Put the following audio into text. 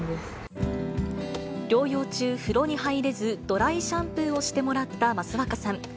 療養中、風呂に入れずドライシャンプーをしてもらった益若さん。